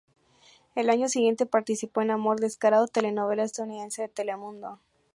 El año siguiente participó en "Amor descarado", telenovela estadounidense de Telemundo.